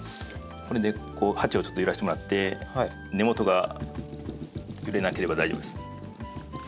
それで鉢をちょっと揺らしてもらって根元が揺れなければ大丈夫です。